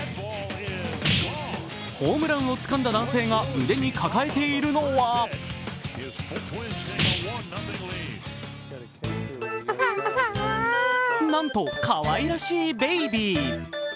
ホームランをつかんだ男性が腕に抱えているのはなんとかわいらしいベイビー。